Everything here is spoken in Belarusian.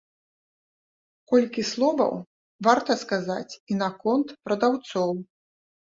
Колькі словаў варта сказаць і наконт прадаўцоў.